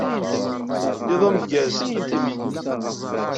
Iḍ ameggaz a Timmy.